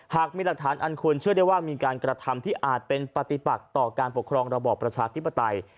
หากมีหลักฐานอันควรเชื่อได้ว่ามีการกระทำที่อาจเป็นปฏิปักต่อการปกครองระบอบประชาธิปไตย